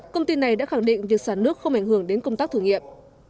công ty này đã khẳng định việc xả nước không ảnh hưởng đến công tác thử nghiệm